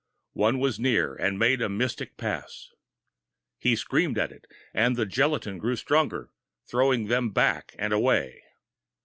One was near, and made a mystic pass. He screamed at it, and the gelatine grew stronger, throwing them back and away.